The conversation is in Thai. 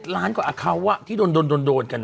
๗ล้านกว่าอาเคาน์ที่โดนกัน